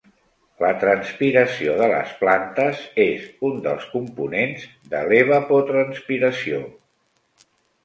La transpiració de les plantes és un dels components de l'evapotranspiració.